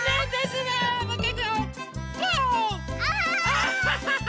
アハハハ！